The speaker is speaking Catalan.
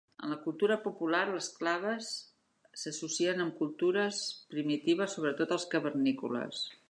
En la cultura popular, les claves s'associen amb cultures primitives, sobretot els cavernícoles.